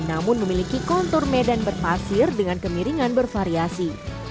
namun memiliki kontur medan berpasir dengan kemiringan bervariasi